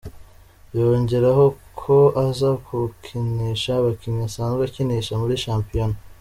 Yongera ho ko aza kukinisha abakinnyi asanzwe akinisha muri shampiyona.